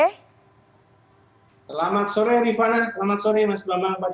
selamat sore rifana selamat sore mas bambang